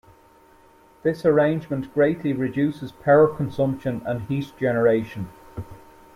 This arrangement greatly reduces power consumption and heat generation.